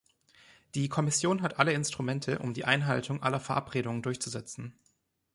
Die Kommission hat alle Instrumente, um die Einhaltung aller Verabredungen durchzusetzen.